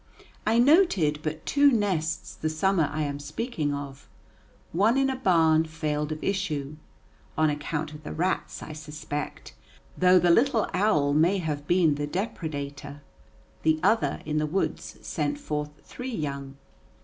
I noted but two nests the summer I am speaking of: one in a barn failed of issue, on account of the rats, I suspect, though the little owl may have been the depredator; the other, in the woods, sent forth three young.